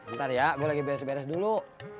ntar ya gue lagi beres beres dulu